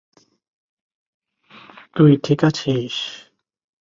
তুই ঠিক আছিস?